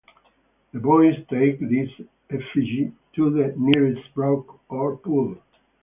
The boys take this effigy to the nearest brook or pool.